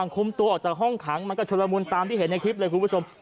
คุมตัวออกจากห้องขังมันก็ชุดละมุนตามที่เห็นในคลิปเลยคุณผู้ชม